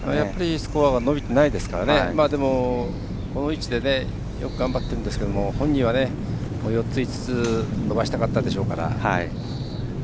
スコアが伸びていないですからこの位置でよく頑張ってるんですけど本人は４つ５つ伸ばしたかったでしょうか。